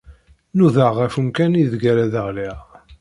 Nudaɣ ɣef umkan ideg ara d-ɣliɣ.